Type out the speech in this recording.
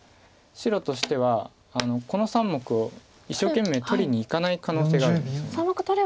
白としてはこの３目を一生懸命取りにいかない可能性があるんです。